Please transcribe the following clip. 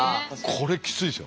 これきついですよ。